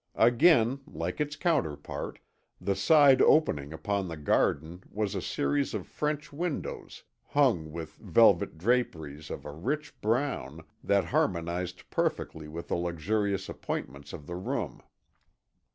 Again, like its counterpart, the side opening upon the garden was a series of French windows hung with velvet draperies of a rich brown that harmonized perfectly with the luxurious appointments of the room.